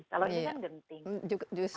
kalau ini kan genting